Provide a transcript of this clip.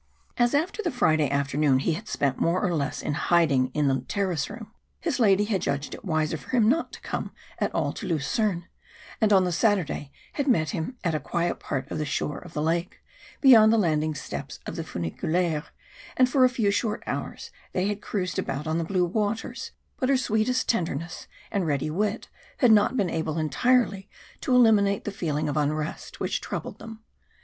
As after the Friday afternoon he had spent more or less in hiding in the terrace room, his lady had judged it wiser for him not to come at all to Lucerne, and on the Saturday had met him at a quiet part of the shore of the lake, beyond the landing steps of the funiculaire, and for a few short hours they had cruised about on the blue waters but her sweetest tenderness and ready wit had not been able entirely to eliminate the feeling of unrest which troubled them.